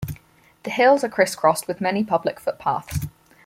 The hills are criss-crossed with many public footpaths.